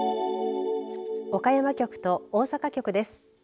岡山局と大阪局です。